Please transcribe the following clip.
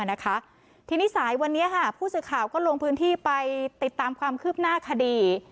ทีนี้สายวันนี้ค่ะผู้สื่อข่าวก็ลงพื้นที่ไปติดตามความคืบหน้าคดี